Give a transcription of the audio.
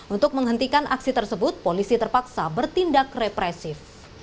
untuk menghentikan aksi tersebut polisi terpaksa bertindak represif